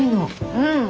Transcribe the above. うん。